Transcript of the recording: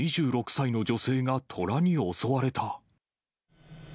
２６歳の女性がトラに襲われた。